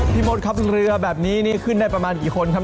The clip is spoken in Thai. มดครับเรือแบบนี้นี่ขึ้นได้ประมาณกี่คนครับ